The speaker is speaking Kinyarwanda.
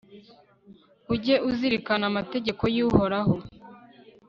ujye uzirikana amategeko y'uhoraho